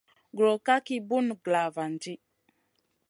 Gro ka ki bùn glavandi.